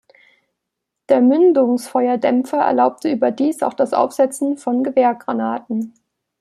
Der Mündungsfeuerdämpfer erlaubte überdies auch das Aufsetzen von Gewehrgranaten.